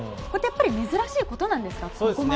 これってやっぱり珍しいことなんですか？